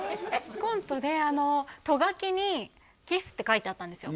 コントでト書きに「キス」って書いてあったんですよ